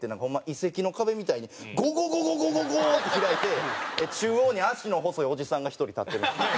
遺跡の壁みたいにゴゴゴゴゴゴゴー！って開いて中央に足の細いおじさんが１人立ってる。